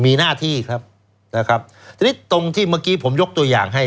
มีหน้าที่ครับนะครับทีนี้ตรงที่เมื่อกี้ผมยกตัวอย่างให้